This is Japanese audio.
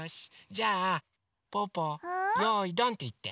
じゃあぽぅぽ「よいどん」っていって。